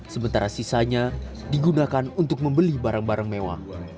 sementara sisanya digunakan untuk membeli barang barang mewah